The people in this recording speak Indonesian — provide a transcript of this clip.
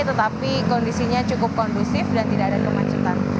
tetapi kondisinya cukup kondusif dan tidak ada kemacetan